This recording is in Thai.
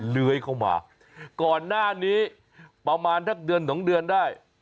เลื้อยเข้ามาก่อนหน้านี้ประมาณสักเดือนสองเดือนได้